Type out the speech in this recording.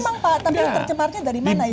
tapi tercemarnya dari mana itu